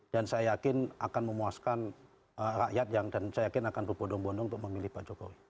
saya yakin akan memuaskan rakyat yang dan saya yakin akan berbondong bondong untuk memilih pak jokowi